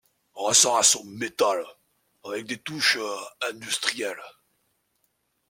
En ressort un son metal avec des touches industrielles.